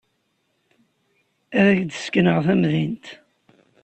Ad ak-d-sekneɣ tamdint.